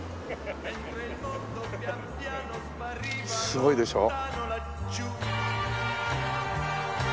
すごいでしょ？